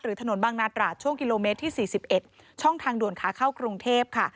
หรือถนนบังนาดราชช่วงกิโลเมตรที่สี่สิบเอ็ดช่องทางด่วนค้าเข้ากรุงเทพค่ะ